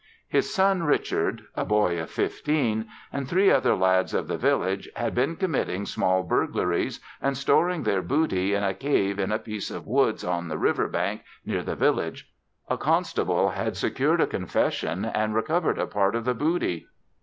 His son Richard, a boy of fifteen, and three other lads of the village, had been committing small burglaries and storing their booty in a cave in a piece of woods on the river bank near the village. A constable had secured a confession and recovered a part of the booty.